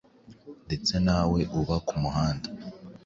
ndetse nawe uba ku muhanda,